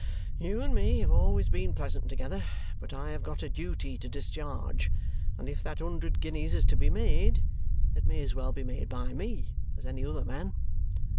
You and me have always been pleasant together; but I have got a duty to discharge; and if that hundred guineas is to be made, it may as well be made by me as any other man.